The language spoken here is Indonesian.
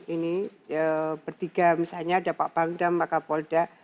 di titik mana kita turun ini bertiga misalnya ada pak bang dan pak kapolda